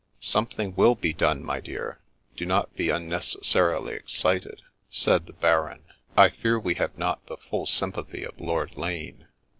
" Something will be done, my dear ; do not be un necessarily excited," said the Baron. " I fear we have not the full sjrmpathy of Lord Lane."